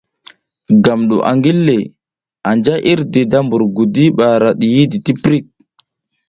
Gam du a ngille, anja irdi da mbur gudi ara diyidi ti pirik.